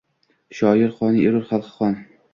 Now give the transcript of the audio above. Shoir qoni erur xalq qoni…